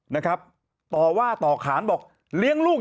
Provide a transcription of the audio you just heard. ทางแฟนสาวก็พาคุณแม่ลงจากสอพอ